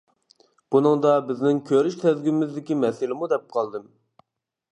بۇنىڭدا بىزنىڭ كۆرۈش سەزگۈمىزدىكى مەسىلىمۇ دەپ قالدىم.